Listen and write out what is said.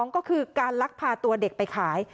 ก็คือการลักพาตัวเด็กไปขาย